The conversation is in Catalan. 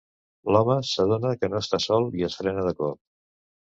L'home s'adona que no està sol i es frena de cop.